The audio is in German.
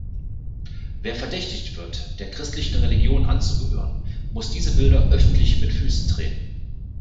Wer verdächtigt wird, der christlichen Religion anzugehören, muss diese Bilder öffentlich mit Füßen treten.